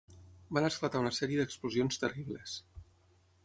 Van esclatar una sèrie d'explosions terribles